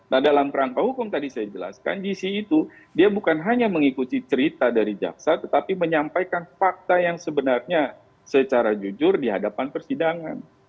nah dalam rangka hukum tadi saya jelaskan gc itu dia bukan hanya mengikuti cerita dari jaksa tetapi menyampaikan fakta yang sebenarnya secara jujur di hadapan persidangan